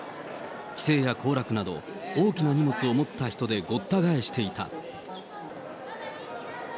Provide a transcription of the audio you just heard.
帰省や行楽など、大きな荷物を持った人でごった返していた。